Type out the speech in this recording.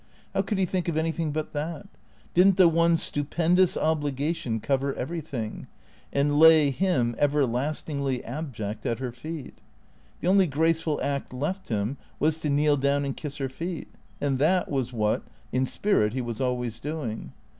How could he think of anything but that ? Did n't the one stupendous obligation cover everything, and lay him, everlastingly abject, at her feet? The only graceful act left him was to kneel down and kiss her feet. And that was what, in spirit, he was always doing.